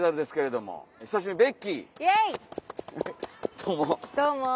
どうも。